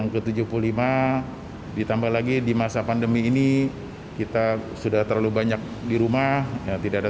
ke tujuh puluh lima ditambah lagi di masa pandemi ini kita sudah terlalu banyak di rumah yang tidak ada